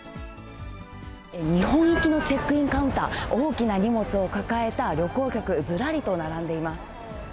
日本行きのチェックインカウンター、大きな荷物を抱えた旅行客、ずらりと並んでいます。